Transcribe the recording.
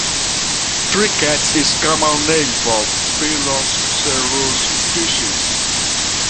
Tree cactus is a common name for "Pilosocereus" species.